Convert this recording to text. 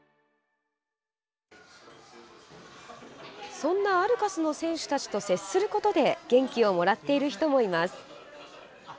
そんなアルカスの選手たちと接することで元気をもらっている人もいます。